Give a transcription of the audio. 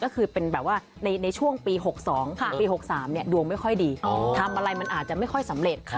ก็คือเป็นแบบว่าในช่วงปี๖๒ปี๖๓ดวงไม่ค่อยดีทำอะไรมันอาจจะไม่ค่อยสำเร็จ